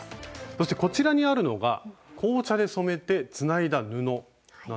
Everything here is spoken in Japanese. そしてこちらにあるのが紅茶で染めてつないだ布なんですけど。